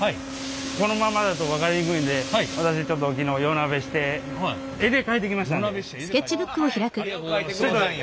このままだと分かりにくいんで私ちょっと昨日夜なべして絵で描いてきてくれたんや。